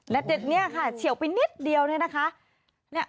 และเด็กนี้ค่ะเฉียวไปนิดเดียวนี่นะคะ